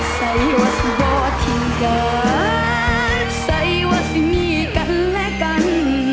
ใส่ว่าจะเป่าที่กันใส่ว่าจะมีกันและกัน